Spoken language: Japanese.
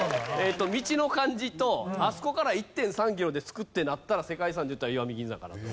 道の感じとあそこから１．３キロで着くってなったら世界遺産でいったら石見銀山かなと。